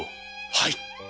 はい。